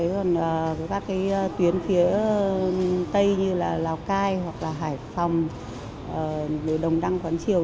còn các tuyến phía tây như là lào cai hải phòng đồng đăng quán triều